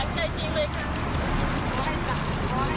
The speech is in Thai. สวัสดีครับทุกคน